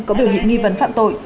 có biểu hiện nghi vấn pháp